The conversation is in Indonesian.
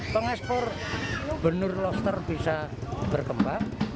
pengekspor benur loster bisa berkembang